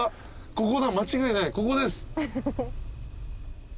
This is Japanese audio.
ここだ間違いないここです。